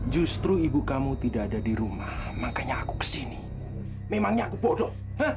justru ibu kamu tidak ada di rumah makanya aku kesini memangnya aku bodoh